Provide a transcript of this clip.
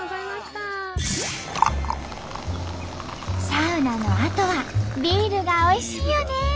サウナのあとはビールがおいしいよね！